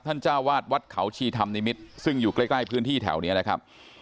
จ้าวาดวัดเขาชีธรรมนิมิตรซึ่งอยู่ใกล้พื้นที่แถวนี้นะครับ